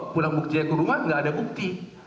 pulang buktinya ke rumah tidak ada bukti